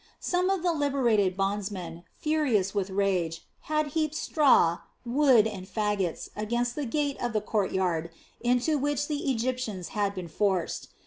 Some of the liberated bondsmen, furious with rage, had heaped straw, wood, and faggots against the gate of the courtyard into which the Egyptians had been forced.